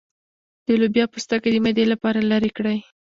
د لوبیا پوستکی د معدې لپاره لرې کړئ